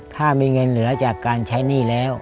ถ้ามีเงินเหลือจากการใช้หนี้แล้ว